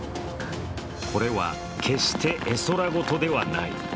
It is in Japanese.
これは決して絵空事ではない。